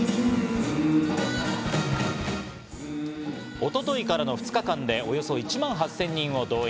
一昨日からの２日間でおよそ１万８０００人を動員。